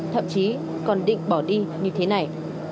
thậm chí còn định bỏ đi như thế này